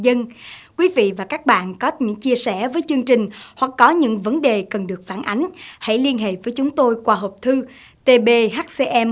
cảm ơn quý vị và các bạn đã quan tâm theo dõi xin kính chào tạm biệt và hẹn gặp lại vào tuần sau